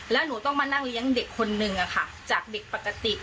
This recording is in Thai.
แล้วหนูต้องมานั่งเลี้ยงเด็กคนนึงจากเด็กปกติ